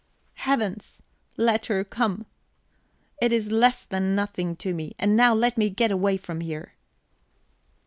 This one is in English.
Heavens, let her come it is less than nothing to me. And now let me get away from here..."